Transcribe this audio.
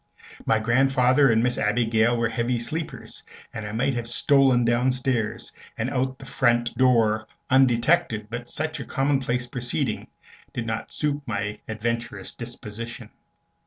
My grandfather and Miss Abigail were heavy sleepers, and I might have stolen downstairs and out at the front door undetected; but such a commonplace proceeding did not suit my adventurous disposition.